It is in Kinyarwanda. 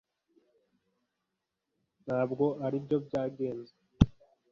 ntabwo aribyo byagenze